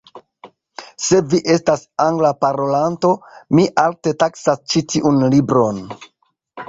Se vi estas Angla parolanto, mi alte taksas ĉi tiun libron.